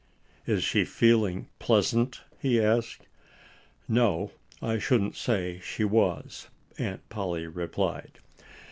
"Is she feeling pleasant?" he asked. "No, I shouldn't say she was," Aunt Polly replied.